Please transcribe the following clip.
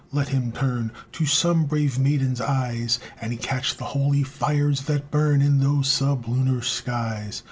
Let him turn To some brave maiden's eyes, And catch the holy fires that burn In those sublunar skies.